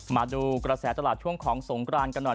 มาดูกระแสตลาดช่วงของสงกรานกันหน่อย